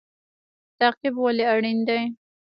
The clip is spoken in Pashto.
تعقیب ولې اړین دی؟